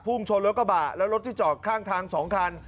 ชนรถกระบะแล้วรถที่จอดข้างทาง๒คัน